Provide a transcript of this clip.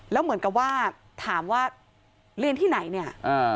แล้วเหมือนกับว่าถามว่าเรียนที่ไหนเนี่ย